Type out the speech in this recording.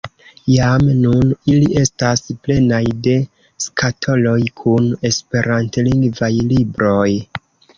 Jam nun ili estas plenaj de skatoloj kun esperantlingvaj libroj.